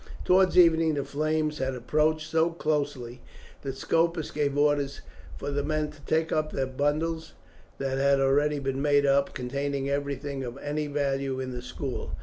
Towards evening the flames had approached so closely, that Scopus gave orders for the men to take up the bundles that had already been made up, containing everything of any value in the school.